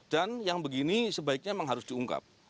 dan yang begini sebaiknya memang harus diungkap